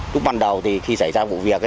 lúc ban đầu khi xảy ra vụ việc